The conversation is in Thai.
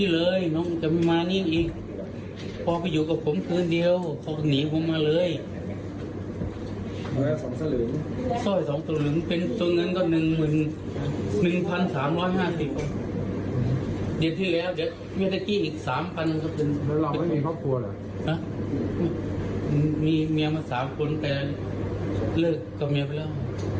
แล้วเราก็ไม่มีครอบครัวเหรอมีเมียมา๓คนไปแล้วเลิกกับเมียไปแล้ว